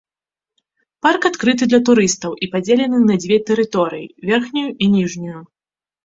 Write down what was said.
Парк адкрыты для турыстаў і падзелены на дзве тэрыторыі, верхнюю і ніжнюю.